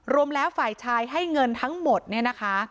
รวมแล้วฝ่ายชายให้เงินทั้งหมดเนี่ยนะคะ